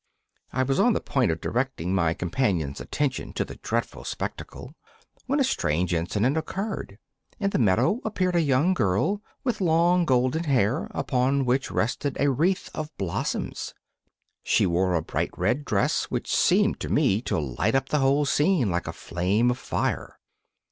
I was upon the point of directing my companions' attention to the dreadful spectacle, when a strange incident occurred: in the meadow appeared a young girl, with long golden hair, upon which rested a wreath of blossoms. She wore a bright red dress, which seemed to me to light up the whole scene like a flame of fire.